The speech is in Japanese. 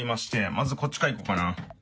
まずこっちからいこうかな。